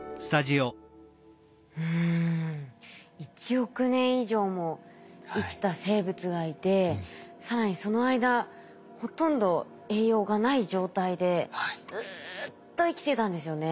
１億年以上も生きた生物がいて更にその間ほとんど栄養がない状態でずっと生きてたんですよね。